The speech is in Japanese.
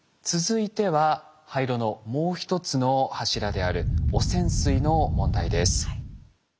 続いては廃炉のもう一つの柱である汚染水の問題です。